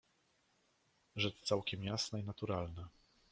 "Rzecz całkiem jasna i naturalna."